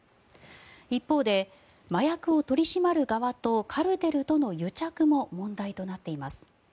一方で、麻薬を取り締まる側とカルテルとの癒着も問題となっています。